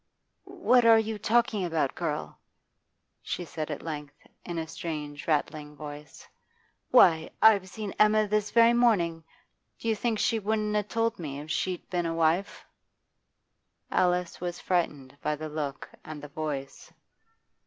'What are you talking about, girl?' she said at length, in a strange, rattling voice. 'Why, I've seen Emma this very morning. Do you think she wouldn't 'a told me if she'd been a wife?' Alice was frightened by the look and the voice.